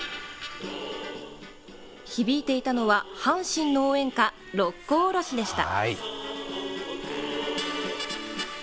響いていたのは阪神の応援歌六甲おろしでした。